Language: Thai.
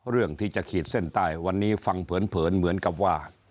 เรื่องที่จะขีดเส้นใต้วันนี้ฟังเผินเหมือนกับว่า